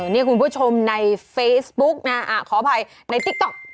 นี่คุณผู้ชมในเฟซบุ๊กนะขออภัยในติ๊กต๊อก